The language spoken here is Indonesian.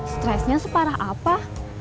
stresnya separah apa